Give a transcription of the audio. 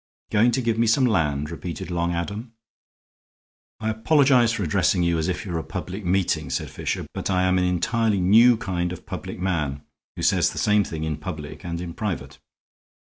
"Going to give me some land!" repeated Long Adam. "I apologize for addressing you as if you were a public meeting," said Fisher, "but I am an entirely new kind of public man who says the same thing in public and in private.